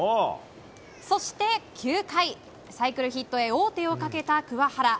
そして９回、サイクルヒットへ王手をかけた桑原。